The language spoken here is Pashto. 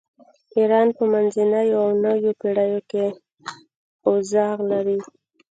ایران په منځنیو او نویو پیړیو کې اوضاع لري.